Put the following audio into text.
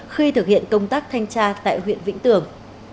khi thực hiện công tác thanh tra tại huyện vĩnh tường